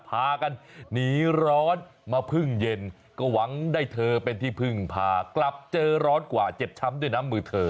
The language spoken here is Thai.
พากันหนีร้อนมาพึ่งเย็นก็หวังได้เธอเป็นที่พึ่งพากลับเจอร้อนกว่าเจ็บช้ำด้วยน้ำมือเธอ